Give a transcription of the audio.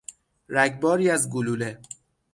رگباری از گلوله